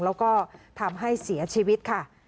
แล้วก็ทำให้เสียชีวิตค่ะ